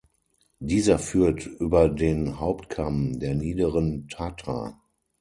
Dieser führt über den Hauptkamm der Niederen Tatra.